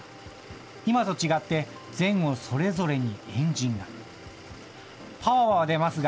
今と違って、前後それぞれにエンジンが。